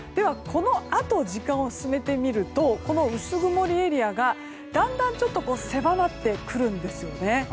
時間を進めてみると薄曇りエリアがだんだん、ちょっと狭まってくるんですよね。